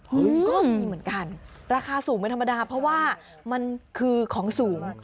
ก็มีเหมือนกันราคาสูงไม่ธรรมดาเพราะว่ามันคือของสูง